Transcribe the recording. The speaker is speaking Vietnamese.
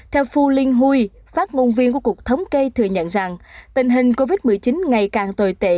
theo phu linh hôi phát ngôn viên của cục thống kê thừa nhận rằng tình hình covid một mươi chín ngày càng tồi tệ